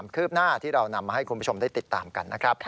ครับชื่อ